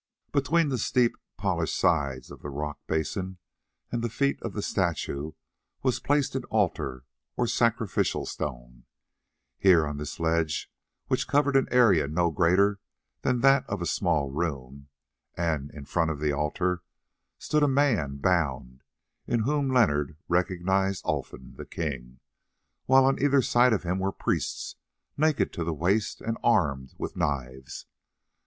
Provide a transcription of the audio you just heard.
Between the steep polished sides of the rock basin and the feet of the statue was placed an altar, or sacrificial stone. Here on this ledge, which covered an area no greater than that of a small room, and in front of the altar, stood a man bound, in whom Leonard recognised Olfan, the king, while on either side of him were priests, naked to the waist, and armed with knives.